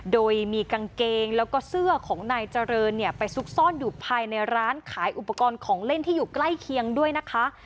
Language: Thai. โดยมีกางเกงแล้วก็เสื้อของนายเจริญเนี่ยไปซุกซ่อนอยู่ภายในร้านขายอุปกรณ์ของเล่นที่อยู่ใกล้เคียงด้วยนะคะ